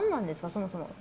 そもそも。